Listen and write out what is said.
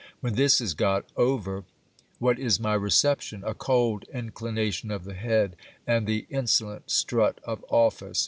When this is got over, what is my reception ? A cold inclination of the head, and the in ! solent strut of office.